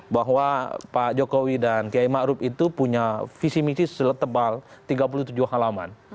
bahwa pak jokowi dan kiai ma'ruf itu punya visi misi setelah tebal tiga puluh tujuh halaman